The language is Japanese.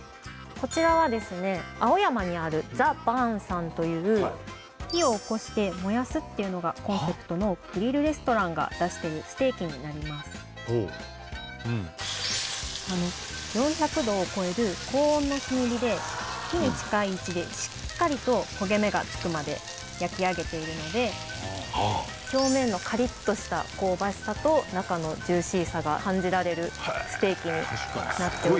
こちらはですね青山にあるＴｈｅＢｕｒｎさんという火をおこして燃やすっていうのがコンセプトのグリルレストランが出しているステーキになります４００度を超える高温な炭火で火に近い位置でしっかりと焦げ目がつくまで焼き上げているので表面のカリッとした香ばしさと中のジューシーさが感じられるステーキになっております